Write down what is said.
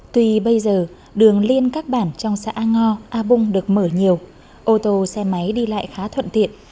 tuy bây giờ đường liên các bản trong xã a ngo a bung được mở nhiều ô tô xe máy đi lại khá thuận tiện